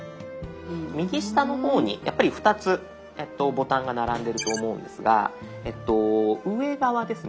右下の方にやっぱり２つボタンが並んでると思うんですがえっと上側ですね。